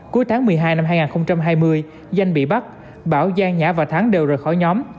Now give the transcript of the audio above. cuối tháng một mươi hai năm hai nghìn hai mươi danh bị bắt bảo gian nhã và thắng đều rời khỏi nhóm